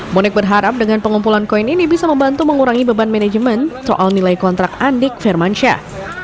bonek berharap dengan pengumpulan koin ini bisa membantu mengurangi beban manajemen soal nilai kontrak andik firmansyah